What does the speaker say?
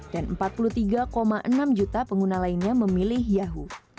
dan empat puluh tiga enam juta pengguna lainnya memilih yahoo